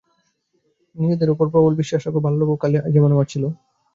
নিজেদের উপর প্রবল বিশ্বাস রাখো, বাল্যকালে যেমন আমার ছিল।